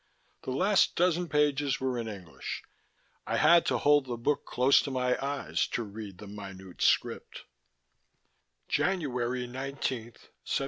The last dozen pages were in English. I had to hold the book close to my eyes to read the minute script: _January 19, 1710.